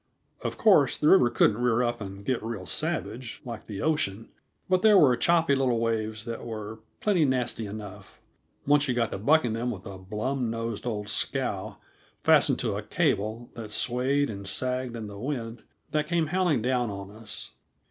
Of course, the river couldn't rear up and get real savage, like the ocean, but there were choppy little waves that were plenty nasty enough, once you got to bucking them with a blum nosed old scow fastened to a cable that swayed and sagged in the wind that came howling down on us.